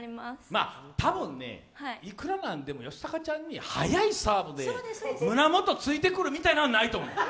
多分、いくらなんでも、吉高ちゃんに速いサーブで胸元突いてくるみたいのはないと思う。